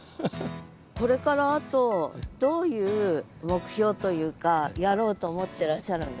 これからあとどういう目標というかやろうと思ってらっしゃるんですか？